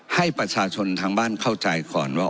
ให้ประชาชนทางบ้านเข้าใจก่อนว่า